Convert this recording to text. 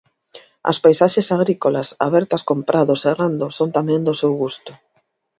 As paisaxes agrícolas abertas con prados e gando son tamén do seu gusto.